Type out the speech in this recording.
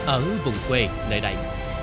ở vùng quê nơi đây